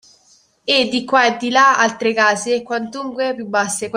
E, di qua e di là, altre case, quantunque più basse